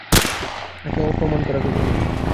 তাকে অপ্রমাণ করা কঠিন।